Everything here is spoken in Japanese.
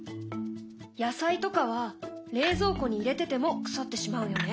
野菜とかは冷蔵庫に入れてても腐ってしまうよね。